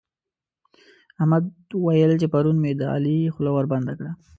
احمد ويل چې پرون مې د علي خوله وربنده کړه.